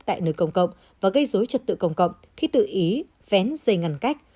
tại nơi công cộng và gây dối trật tự công cộng khi tự ý vén dây ngăn cách